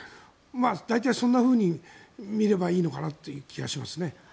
大体、そんなふうに見ればいいのかなという気がします。